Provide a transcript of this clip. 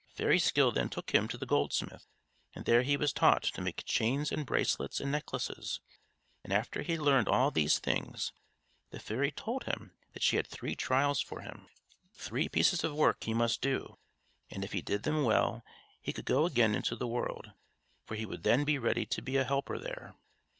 Fairy Skill then took him to the gold smith, and there he was taught to make chains and bracelets and necklaces; and after he had learned all these things, the fairy told him that she had three trials for him. Three pieces of work he must do; and if he did them well, he could go again into the world, for he would then be ready to be a helper there.